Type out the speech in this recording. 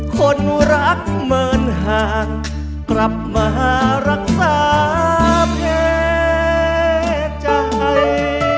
คนรักเหมือนห่างกลับมารักษาแพ้ใจ